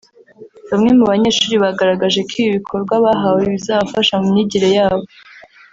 Bamwe mu banyeshuri bagaragaje ko ibi bikorwa bahawe bizabafasha mu myigire yabo